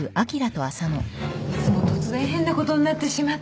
いつも突然変なことになってしまって。